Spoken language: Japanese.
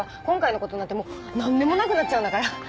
今回のことなんてもう何でもなくなっちゃうんだから。